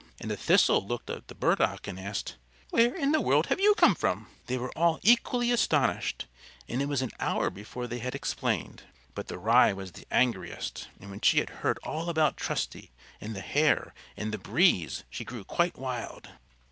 And the Thistle looked at the Burdock and asked, "Where in the world have you come from?" They were all equally astonished, and it was an hour before they had explained. But the Rye was the angriest, and when she had heard all about Trusty and the Hare and the Breeze she grew quite wild.